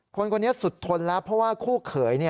คนคนนี้สุดทนแล้วเพราะว่าคู่เขย